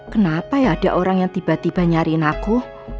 kenapa ya ada orang yang tiba tiba nyariin aku